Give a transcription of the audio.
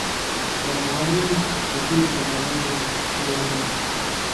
له افغاني خټينو ودانیو او پخڅو رنګ اخلي.